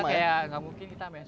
itu cuaca faktor utama sebenarnya